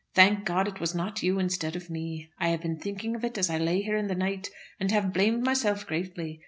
"Thank God it was not you instead of me. I have been thinking of it as I lay here in the night, and have blamed myself greatly.